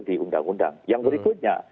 di undang undang yang berikutnya